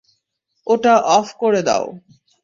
ওটা অফ করে দাও।